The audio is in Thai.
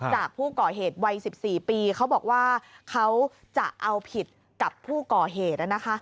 จากผู้ก่อเหตุวัย๑๔ปีเขาบอกว่าเขาจะเอาผิดกับผู้ก่อเหตุ